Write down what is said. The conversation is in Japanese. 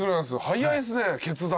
早いですね決断。